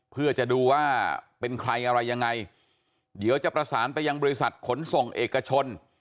เพื่อจะดูว่าเป็นใครอะไรยังไงเดี๋ยวจะประสานไปยังบริษัทขนส่งเอกชน